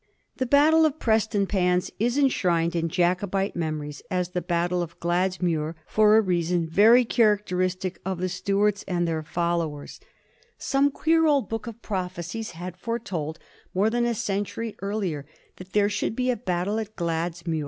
The battle of Prestonpans is enshrined in Jacobite memories as the battle of Gladsmuir, for a reason very characteristic of the Stuarts and their followers. Some 216 A HISTORY OF TH£ FOUR GEORGSa gh. xzxr. queer old book of prophecies had foretold, more than a century earlier, that there should be a battle at Glads muir.